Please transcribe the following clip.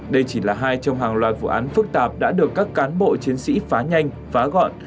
đây chỉ là hai trong hàng loạt vụ án phức tạp đã được các cán bộ chiến sĩ phá nhanh phá gọn